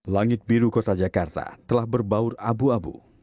langit biru kota jakarta telah berbaur abu abu